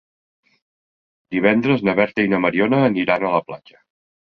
Divendres na Berta i na Mariona aniran a la platja.